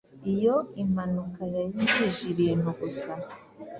Iyo impanuka yangije ibintu gusa